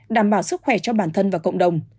đảm bảo sức khỏe cho bản thân và cộng đồng